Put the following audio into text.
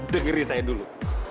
dengerin saya dulu